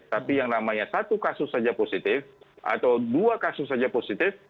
tapi yang namanya satu kasus saja positif atau dua kasus saja positif